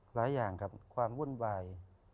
หลายอย่างครับความวุ่นวาย